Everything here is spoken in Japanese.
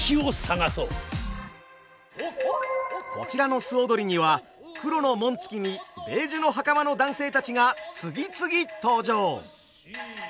こちらの素踊りには黒の紋付きにベージュの袴の男性たちが次々登場。